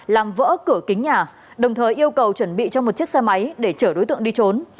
làm vỡ cửa kính nhà đồng thời yêu cầu chuẩn bị cho một chiếc xe máy để chở đối tượng đi trốn